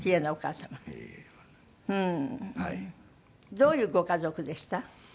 どういうご家族でした？